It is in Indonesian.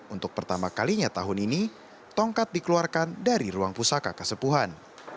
untuk pertama kalinya tahun ini tongkat dikeluarkan dari ruang pusaka kasepuhan